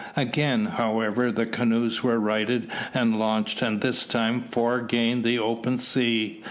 Again, however, the canoes were righted and launched, and this time four gained the open sea.